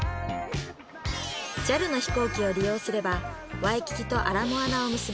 ＪＡＬの飛行機を利用すればワイキキとアラモアナを結ぶ